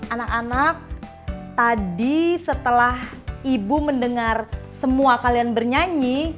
anak anak tadi setelah ibu mendengar semua kalian bernyanyi